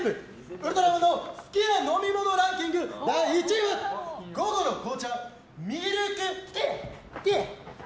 ウルトラマンの好きな飲み物ランキング第１位は午後の紅茶、ミルク。